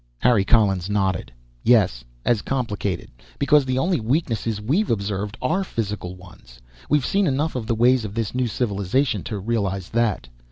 Harry Collins nodded. "Yes, as complicated. Because the only weaknesses we've observed are physical ones. We've seen enough of the ways of this new civilization to realize that.